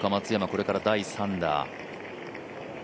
これから第３打。